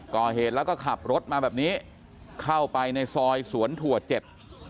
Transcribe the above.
ก่อเหตุแล้วก็ขับรถมาแบบนี้เข้าไปในซอยสวนถั่วเจ็ด